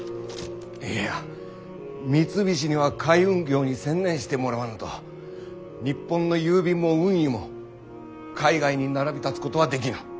いや三菱には海運業に専念してもらわぬと日本の郵便も運輸も海外に並び立つことはできぬ。